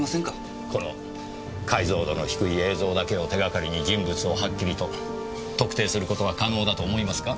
この解像度の低い映像だけを手掛かりに人物をはっきりと特定する事が可能だと思いますか？